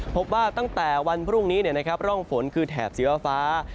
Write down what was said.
พบว่าตั้งแต่วันพรุ่งนี้ร่องฝนคือแถบสีฟ้า